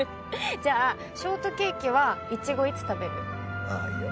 じゃあショートケーキはイチゴいつ食べる？いいよ。